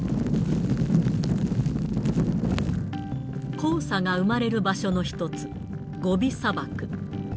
黄砂が生まれる場所の一つ、ゴビ砂漠。